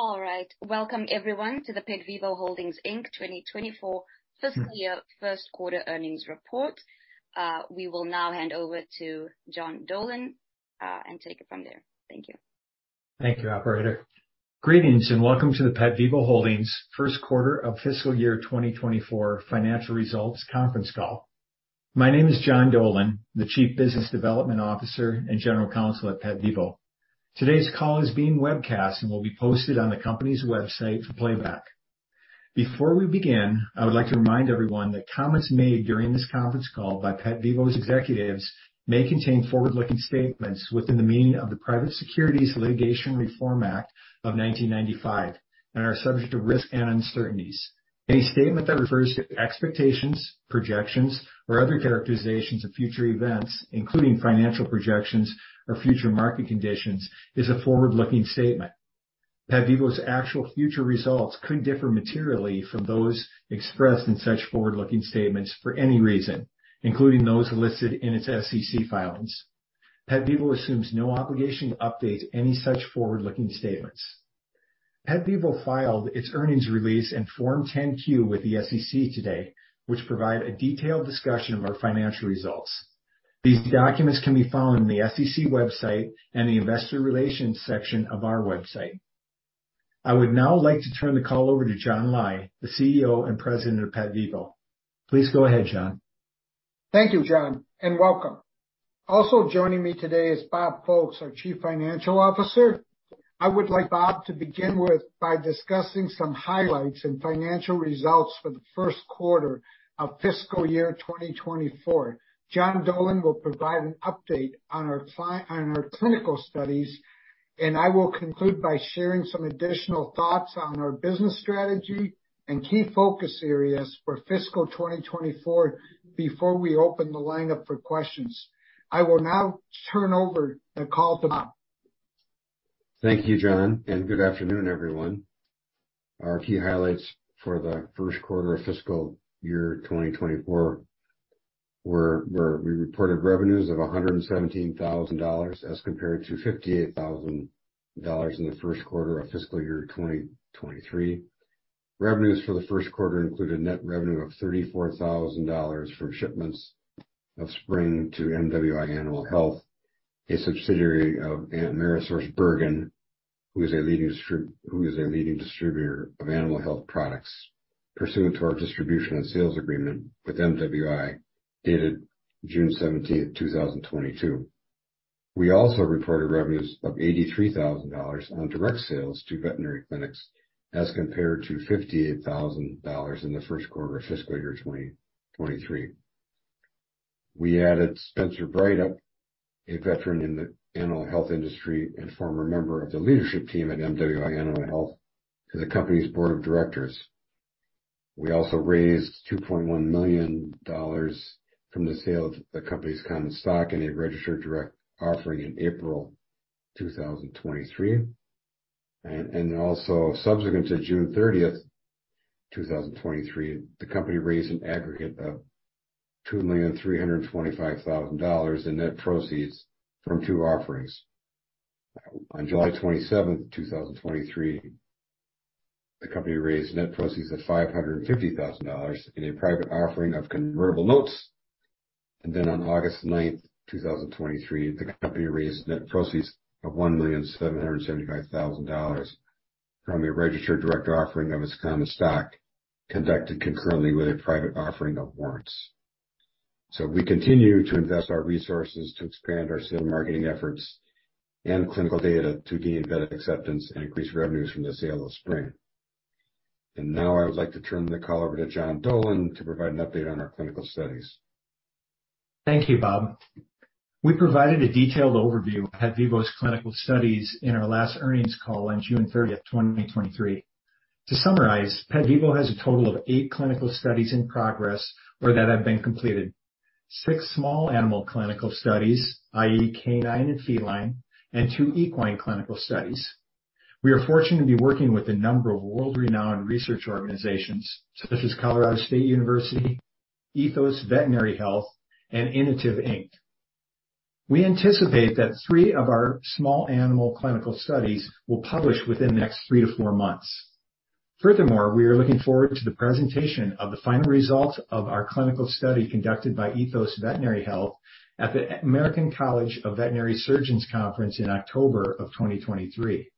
All right. Welcome, everyone, to PetVivo Holdings, Inc. 2024 fiscal year Q1 earnings report. We will now hand over to John Dolan, and take it from there. Thank you. Thank you, operator. Greetings, and welcome to PetVivo Holdings Q1 of fiscal year 2024 financial results conference call. My name is John Dolan, the Chief Business Development Officer and General PetVivo Holdings. Today's call is being webcast and will be posted on the company's website for playback. Before we begin, I would like to remind everyone that comments made during this conference PetVivo Holdings' executives may contain forward-looking statements within the meaning of the Private Securities Litigation Reform Act of 1995 and are subject to risks and uncertainties. Any statement that refers to expectations, projections, or other characterizations of future events, including financial projections or future market conditions, is a forward-looking PetVivo Holdings' actual future results could differ materially from those expressed in such forward-looking statements for any reason, including those listed in its SEC filings. PetVivo Holdings assumes no obligation to update any such forward-looking statements. PetVivo Holdings filed its earnings release and Form 10-Q with the SEC today, which provide a detailed discussion of our financial results. These documents can be found on the SEC website and the investor relations section of our website. I would now like to turn the call over to John Lai, the CEO and President of PetVivo Holdings. Please go ahead, John Lai. Thank you, John Dolan, and welcome. Also joining me today is Bob Folkes, our Chief Financial Officer. I would like Bob Folkes to begin by discussing some highlights and financial results for the Q1 of fiscal year 2024. John Dolan will provide an update on our on our clinical studies, and I will conclude by sharing some additional thoughts on our business strategy and key focus areas for fiscal 2024 before we open the line up for questions. I will now turn over the call to Bob Folkes. Thank you, John Lai, and good afternoon, everyone. Our key highlights for the Q1 of fiscal year 2024 were we reported revenues of $117,000 as compared to $58,000 in the Q1 of fiscal year 2023. Revenues for the Q1 included net revenue of $34,000 from shipments of Spryng to MWI Animal Health, a subsidiary of AmerisourceBergen, who is a leading distributor of animal health products, pursuant to our distribution and sales agreement with MWI Animal Health, dated June 17th, 2022. We also reported revenues of $83,000 on direct sales to veterinary clinics, as compared to $58,000 in the Q1 of fiscal year 2023. We added Spencer Breithaupt, a veteran in the animal health industry and former member of the leadership team at MWI Animal Health, to the company's board of directors. We also raised $2.1 million from the sale of the company's common stock in a registered direct offering in April 2023. Also subsequent to June 30th, 2023, the company raised an aggregate of $2,325,000 in net proceeds from two offerings. On July 27th, 2023, the company raised net proceeds of $550,000 in a private offering of convertible notes. On August 9th, 2023, the company raised net proceeds of $1,775,000 from a registered direct offering of its common stock, conducted concurrently with a private offering of warrants. We continue to invest our resources to expand our sales and marketing efforts and clinical data to gain veterinary acceptance and increase revenues from the sale of Spryng. Now I would like to turn the call over to John Dolan to provide an update on our clinical studies. Thank you, Bob Folkes. We provided a detailed overview PetVivo Holdings' clinical studies in our last earnings call on June 30th, 2023. To summarize, PetVivo Holdings has a total of eight clinical studies in progress or that have been completed. Six small animal clinical studies, i.e., canine and feline, and two equine clinical studies. We are fortunate to be working with a number of world-renowned research organizations such as Colorado State University, Ethos Veterinary Health, and Inotiv, Inc. We anticipate that three of our small animal clinical studies will publish within the next three months-four months. Furthermore, we are looking forward to the presentation of the final results of our clinical study conducted by Ethos Veterinary Health at the American College of Veterinary Surgeons conference in October of 2023.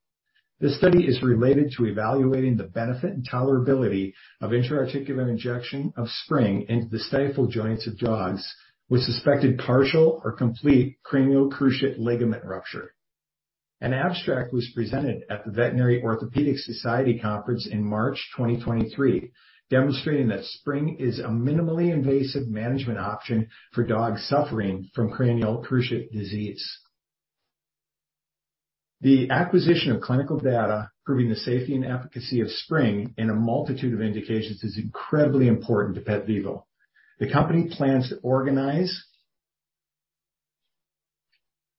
This study is related to evaluating the benefit and tolerability of intra-articular injection of Spryng into the stifle joints of dogs with suspected partial or complete cranial cruciate ligament rupture. An abstract was presented at the Veterinary Orthopedic Society conference in March 2023, demonstrating that Spryng is a minimally invasive management option for dogs suffering from cranial cruciate disease. The acquisition of clinical data proving the safety and efficacy of Spryng in a multitude of indications is incredibly important to PetVivo Holdings. The company plans to organize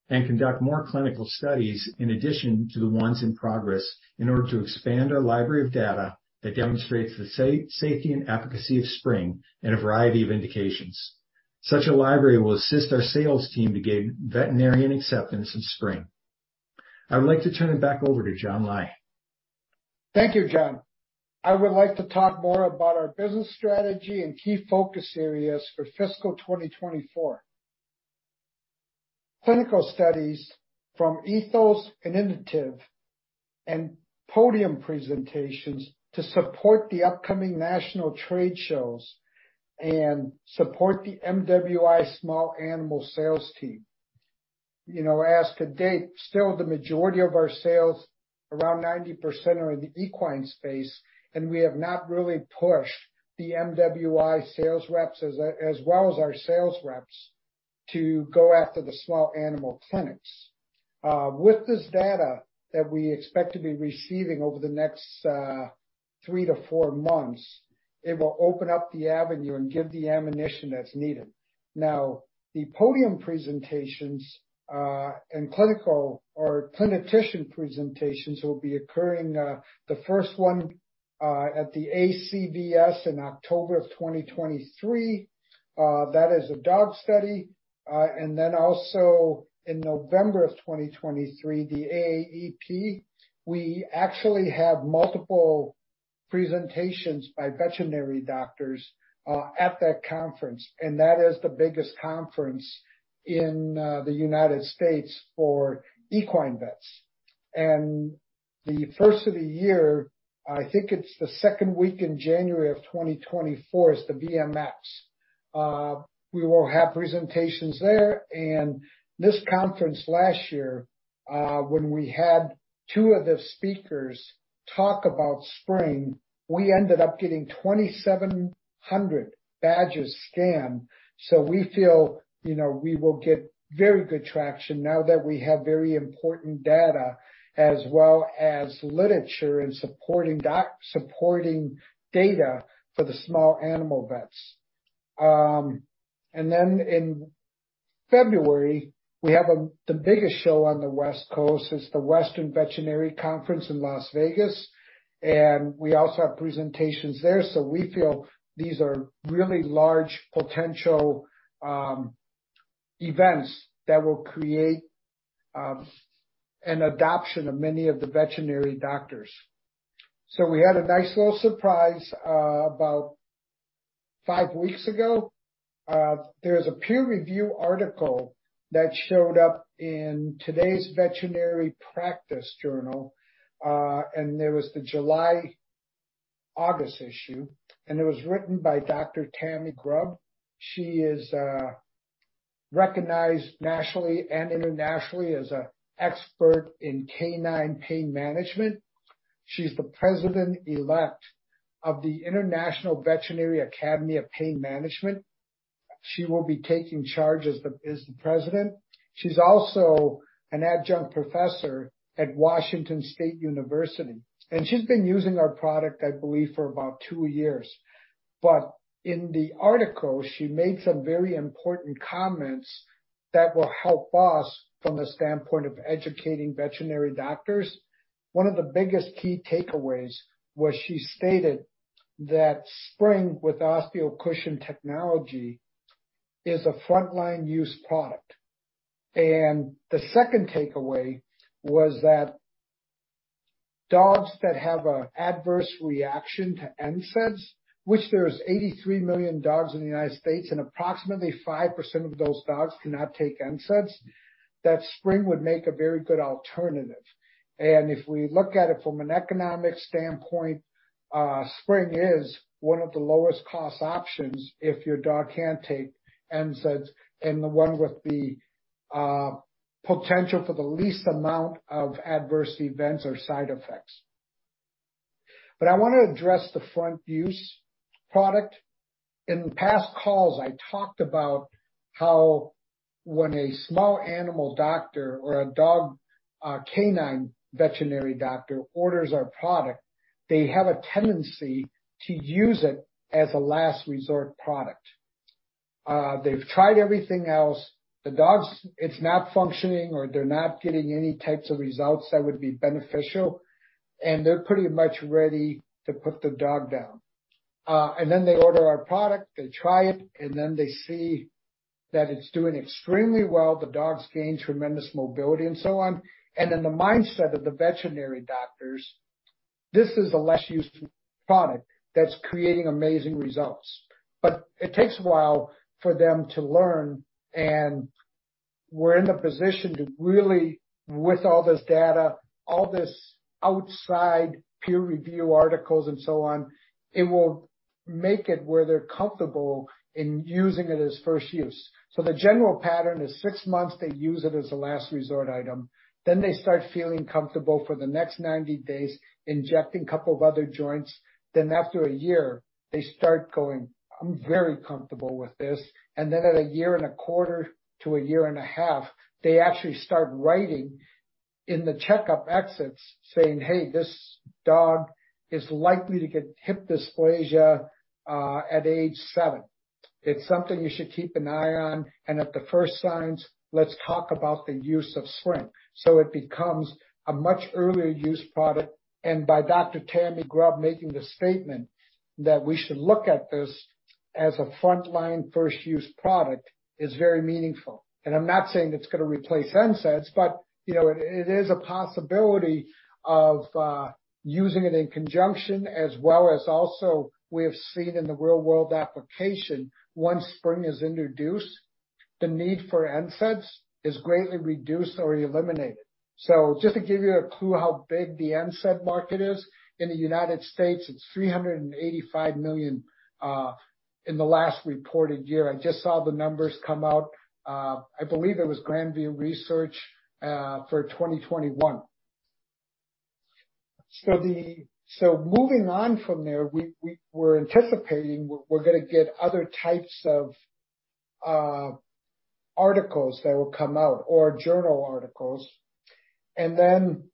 and conduct more clinical studies in addition to the ones in progress, in order to expand our library of data that demonstrates the safety and efficacy of Spryng in a variety of indications... Such a library will assist our sales team to gain veterinarian acceptance of Spryng. I would like to turn it back over to John Lai. Thank you, John Dolan. I would like to talk more about our business strategy and key focus areas for fiscal 2024. Clinical studies from Ethos and Inotiv, Inc and podium presentations to support the upcoming national trade shows and support the MWI Small Animal sales team. You know, as to date, still the majority of our sales, around 90%, are in the equine space, and we have not really pushed the MWI sales reps, as well as our sales reps, to go after the small animal clinics. With this data that we expect to be receiving over the next three months-four months, it will open up the avenue and give the ammunition that's needed. Now, the podium presentations, and clinical or clinician presentations will be occurring, the first one, at the ACVS in October of 2023. That is a dog study. Also in November of 2023, the AAEP, we actually have multiple presentations by veterinary doctors at that conference, and that is the biggest conference in the United States for equine vets. The first of the year, I think it's the second week in January of 2024, is the VMX. We will have presentations there. This conference last year, when we had two of the speakers talk about Spryng, we ended up getting 2,700 badges scanned. We feel, you know, we will get very good traction now that we have very important data as well as literature in supporting supporting data for the small animal vets. Then in February, we have the biggest show on the West Coast, it's the Western Veterinary Conference in Las Vegas, and we also have presentations there. We feel these are really large potential events that will create an adoption of many of the veterinary doctors. We had a nice little surprise about five weeks ago. There was a peer-review article that showed up in Today's Veterinary Practice Journal, and it was the July-August issue, and it was written by Dr. Tammy Grubb. She is recognized nationally and internationally as a expert in canine pain management. She's the president-elect of the International Veterinary Academy of Pain Management. She will be taking charge as the President. She's also an adjunct professor at Washington State University, and she's been using our product, I believe, for about two years. In the article, she made some very important comments that will help us from the standpoint of educating veterinary doctors. One of the biggest key takeaways was she stated that Spryng, with OsteoCushion Technology, is a frontline use product. The second takeaway was that dogs that have an adverse reaction to NSAIDs, which there is 83 million dogs in the United States, and approximately 5% of those dogs cannot take NSAIDs, that Spryng would make a very good alternative. If we look at it from an economic standpoint, Spryng is one of the lowest cost options if your dog can't take NSAIDs, and the one with the potential for the least amount of adverse events or side effects. I wanna address the front use product. In past calls, I talked about how when a small animal doctor or a dog, canine veterinary doctor orders our product, they have a tendency to use it as a last resort product. They've tried everything else. It's not functioning, or they're not getting any types of results that would be beneficial, and they're pretty much ready to put the dog down. Then they order our product, they try it, and then they see that it's doing extremely well. The dog's gained tremendous mobility and so on. In the mindset of the veterinary doctors, this is a less used product that's creating amazing results. It takes a while for them to learn, and we're in the position to really, with all this data, all this outside peer review articles and so on, it will make it where they're comfortable in using it as first use. The general pattern is six months, they use it as a last resort item, then they start feeling comfortable for the next 90 days, injecting couple of other joints. After one year, they start going, "I'm very comfortable with this." At a year and 1/4 years to a year and 1/2 years, they actually start writing in the checkup exits, saying, "Hey, this dog is likely to get hip dysplasia at age seven. It's something you should keep an eye on, and at the first signs, let's talk about the use of Spryng." It becomes a much earlier use product, and by Dr. Tammy Grubb making the statement that we should look at this as a frontline first-use product is very meaningful. I'm not saying it's gonna replace NSAIDs, but, you know, it, it is a possibility of using it in conjunction, as well as also we have seen in the real-world application, once Spryng is introduced, the need for NSAIDs is greatly reduced or eliminated. Just to give you a clue how big the NSAID market is, in the United States, it's $385 million in the last reported year. I just saw the numbers come out. I believe it was Grand View Research for 2021. Moving on from there, we're anticipating we're gonna get other types of articles that will come out, or journal articles. Then,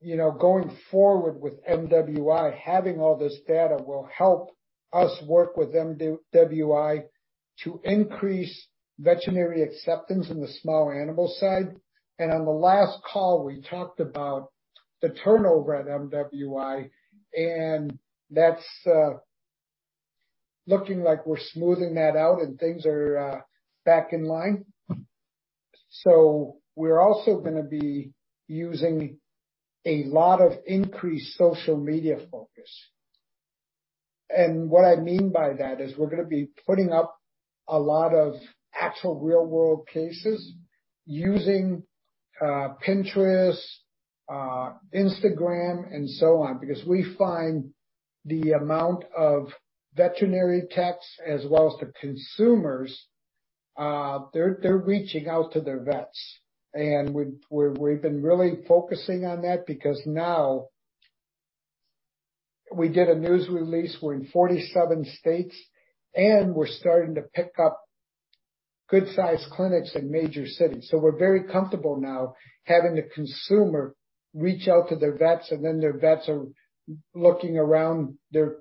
you know, going forward with MWI Animal Health, having all this data will help us work with MWI Animal Health to increase veterinary acceptance in the small animal side. On the last call, we talked about the turnover at MWI Animal Health, and that's looking like we're smoothing that out and things are back in line. We're also gonna be using a lot of increased social media focus. What I mean by that is we're gonna be putting up a lot of actual real-world cases using Pinterest, Instagram, and so on, because we find the amount of veterinary techs as well as the consumers, they're reaching out to their vets. We've been really focusing on that because now we did a news release, we're in 47 states, and we're starting to pick up good-sized clinics in major cities. We're very comfortable now having the consumer reach out to their vets, and then their vets are looking around their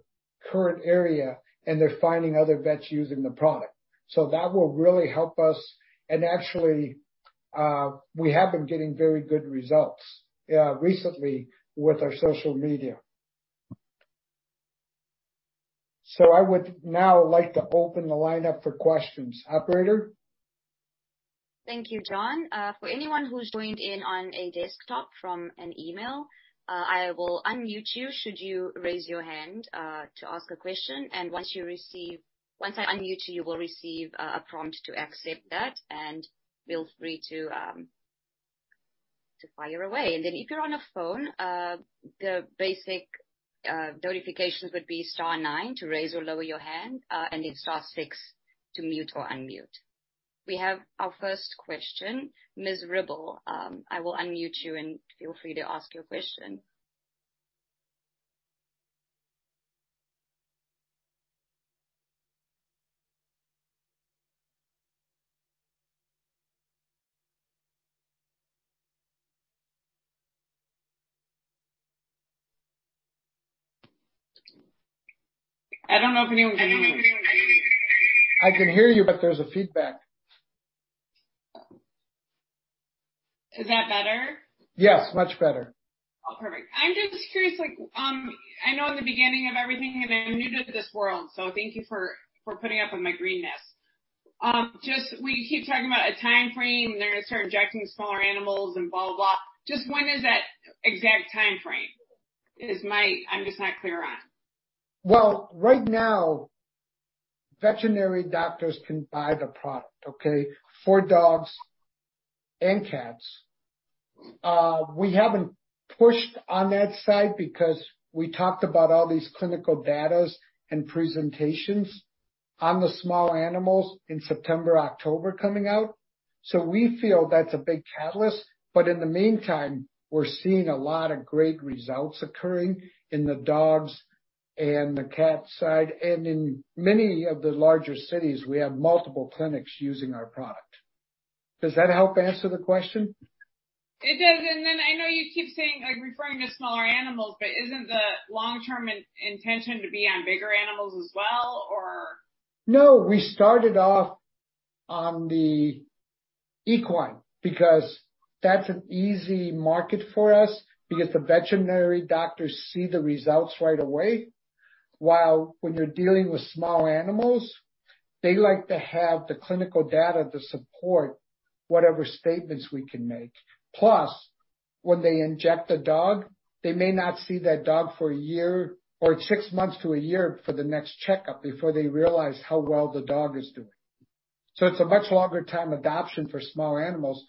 current area, and they're finding other vets using the product. That will really help us. Actually, we have been getting very good results recently with our social media. I would now like to open the lineup for questions. Operator? Thank you, John Lai. For anyone who's joined in on a desktop from an email, I will unmute you should you raise your hand to ask a question. Once I unmute you, you will receive a prompt to accept that, and feel free to fire away. If you're on a phone, the basic notifications would be star nine to raise or lower your hand, and then star six to mute or unmute. We have our first question. Ms. Marla Ribble, I will unmute you, and feel free to ask your question. I don't know if anyone can hear me. I can hear you, but there's a feedback. Is that better? Yes, much better. Oh, perfect. I'm just curious, like, I know in the beginning of everything, and I'm new to this world, so thank you for, for putting up with my greenness. Just we keep talking about a timeframe, they're gonna start injecting smaller animals and blah, blah, blah. Just when is that exact timeframe, is my... I'm just not clear on? Right now, veterinary doctors can buy the product, okay, for dogs and cats. We haven't pushed on that side because we talked about all these clinical datas and presentations on the small animals in September, October, coming out, so we feel that's a big catalyst. In the meantime, we're seeing a lot of great results occurring in the dogs and the cat side, and in many of the larger cities, we have multiple clinics using our product. Does that help answer the question? It does. Then, I know you keep saying, like, referring to smaller animals, but isn't the long-term intention to be on bigger animals as well, or? No, we started off on the equine because that's an easy market for us because the veterinary doctors see the results right away. While when you're dealing with small animals, they like to have the clinical data to support whatever statements we can make. Plus, when they inject a dog, they may not see that dog for a year or six months to a year for the next checkup, before they realize how well the dog is doing. It's a much longer time adoption for small animals,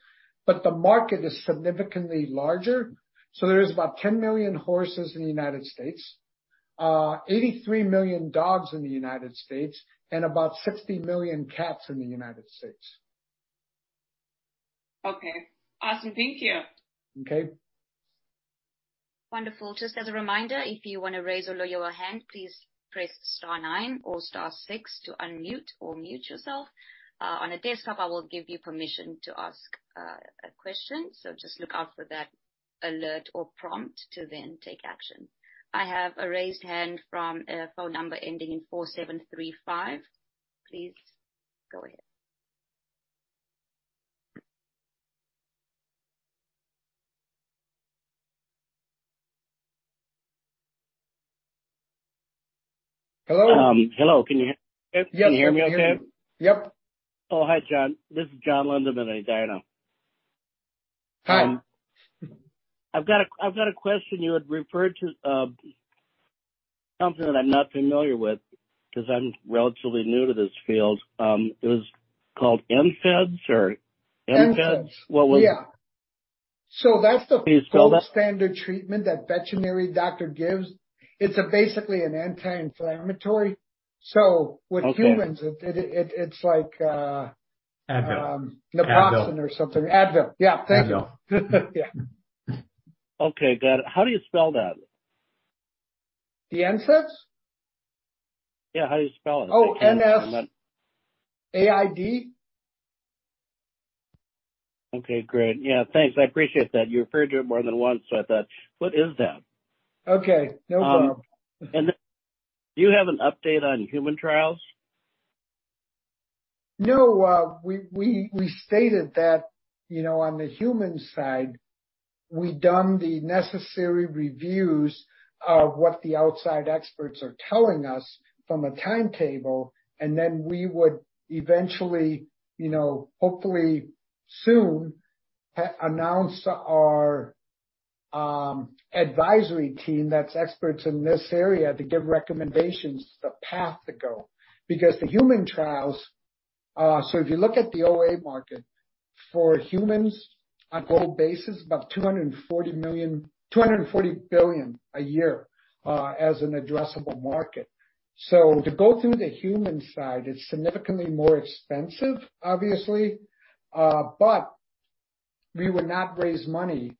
but the market is significantly larger. There is about 10 million horses in the United States, 83 million dogs in the United States, and about 60 million cats in the United States. Okay. Awesome. Thank you. Okay. Wonderful. Just as a reminder, if you want to raise or lower your hand, please press star nine or star six to unmute or mute yourself. On a desktop, I will give you permission to ask a question, so just look out for that alert or prompt to then take action. I have a raised hand from a phone number ending in 4735. Please go ahead. Hello? Hello, can you hear me okay? Yep. Oh, hi, John Lai. This is John Lindeman at Diana. Hi. I've got a, I've got a question. You had referred to, something that I'm not familiar with, 'cause I'm relatively new to this field. It was called NSAID or NSAID? NSAID. What was- Yeah. Can you spell that? gold standard treatment that veterinary doctor gives. It's a basically an anti-inflammatory, so... Okay. with humans, it's like... Advil. Naproxen or something. Advil. Advil. Yeah. Thank you. Yeah. Okay, got it. How do you spell that? The NSAID? Yeah. How do you spell it? Oh, NSAID. Okay, great. Yeah, thanks. I appreciate that. You referred to it more than once, so I thought, "What is that? Okay, no problem. Do you have an update on human trials? No, we stated that, you know, on the human side, we've done the necessary reviews of what the outside experts are telling us from a timetable, and then we would eventually, you know, hopefully, soon, announce our advisory team, that's experts in this area, to give recommendations, the path to go. The human trials, if you look at the OA market, for humans, on a global basis, about $240 billion a year, as an addressable market. To go through the human side, it's significantly more expensive, obviously. We would not raise money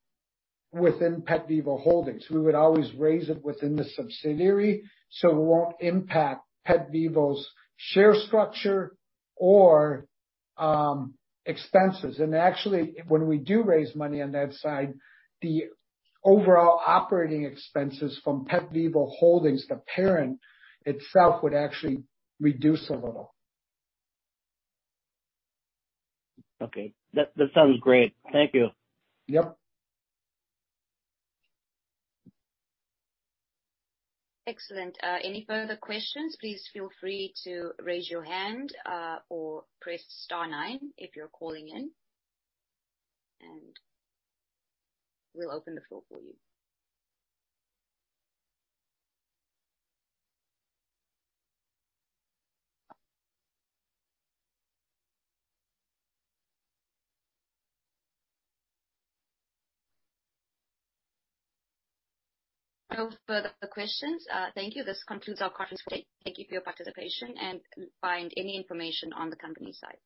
PetVivo Holdings. We would always raise it within the subsidiary, so it PetVivo Holdings' share structure or expenses. Actually, when we do raise money on that side, the overall operating expenses PetVivo Holdings, the parent itself, would actually reduce a little. Okay. That, that sounds great. Thank you. Yep. Excellent. any further questions, please feel free to raise your hand, or press star nine if you're calling in, and we'll open the floor for you. No further questions. Thank you. This concludes our conference today. Thank you for your participation. You can find any information on the company site.